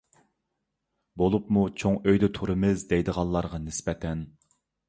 بولۇپمۇ چوڭ ئۆيدە تۇرىمىز دەيدىغانلارغا نىسبەتەن.